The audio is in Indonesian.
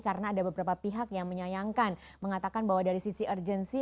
karena ada beberapa pihak yang menyayangkan mengatakan bahwa dari sisi urgency